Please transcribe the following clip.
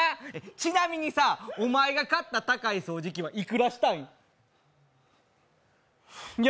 ちなみにさ、お前が買った高い掃除機はいくらしたんや？